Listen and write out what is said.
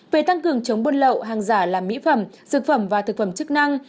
về tăng cường chống buôn lậu hàng giả làm mỹ phẩm dược phẩm và thực phẩm chức năng